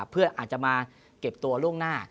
เพื่ออาจจะมาเก็บตัวล่วงหน้า